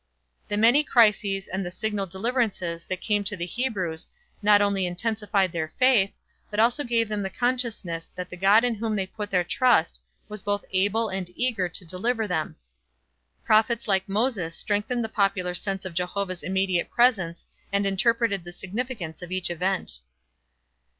The many crises and the signal deliverances that came to the Hebrews not only intensified their faith, but also gave them the consciousness that the God in whom they put their trust was both able and eager to deliver them. Prophets like Moses strengthened the popular sense of Jehovah's immediate presence and interpreted the significance of each event.